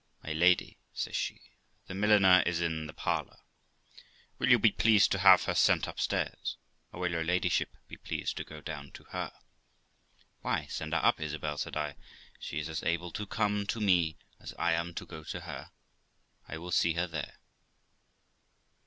'My lady', says she, 'the milliner is in the parlour; will you be pleased to have her sent upstairs, or will your ladyship be pleased to go down to her?' 'Why, send her up, Isabel', said I, 'she is as able to come to me as I am to go to her; I will see her here.'